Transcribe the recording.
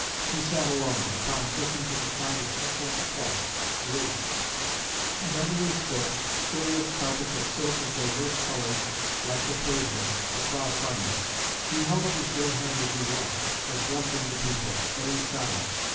He sat alone, upon cushions of a kind of excellent plush, blue; and under his foot curious carpets of silk of diverse colours, like the Persian, but far finer. He held up his bare hand as he went, as blessing the people, but in silence.